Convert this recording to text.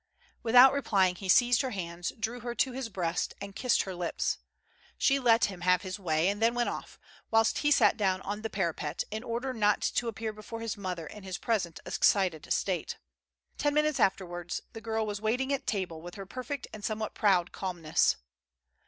Without replying he seized her hands, drew her to his breast, and kissed her lips. She let him have his way, and then went off, whilst he sat down on the parapet, in order not to appear before his mother in his present excited state. Ten minutes afterwards the girl Avas waiting at table with her perfect and somewhat proud calmness.